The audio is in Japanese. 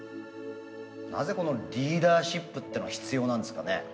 なぜこのリーダーシップっていうのは必要なんですかね。